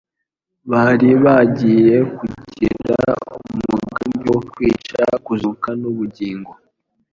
bari bagiye kugira umugambi wo kwica Kuzuka n'Ubugingo.